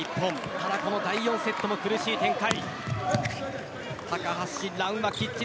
ただ、第４セットも苦しい展開。